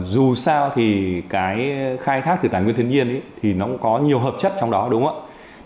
dù sao thì cái khai thác từ tài nguyên thiên nhiên thì nó cũng có nhiều hợp chất trong đó đúng không ạ